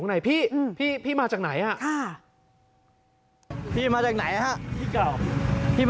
ครับผมพี่จอดนอนอยู่ใช่ไหม